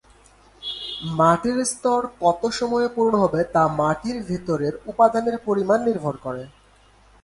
মাটির স্তর কত সময়ে পূরণ হবে তা মাটির ভেতরের উপাদানের পরিমাণ নির্ভর করে।